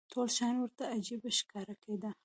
ټول شیان ورته عجیبه ښکاره کېدل.